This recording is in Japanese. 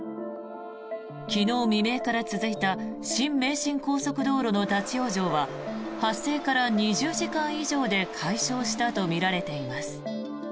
昨日未明から続いた新名神高速道路の立ち往生は発生から２０時間以上で解消したとみられています。